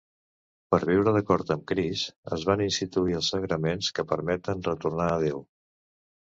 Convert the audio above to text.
Per viure d'acord amb Crist es van instituir els Sagraments, que permeten retornar a Déu.